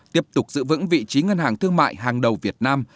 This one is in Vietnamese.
tiếp tục giữ vững vị trí ngân hàng thương mại hàng đầu việt nam